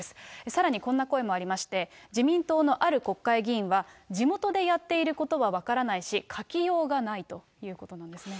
さらにこんな声もありまして、自民党のある国会議員は、地元でやっていることは分からないし、書きようがないということなんですね。